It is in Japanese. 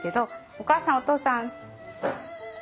お母さんお父さん。